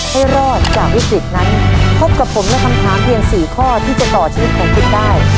ให้รอดจากวิกฤตนั้นพบกับผมและคำถามเพียง๔ข้อที่จะต่อชีวิตของคุณได้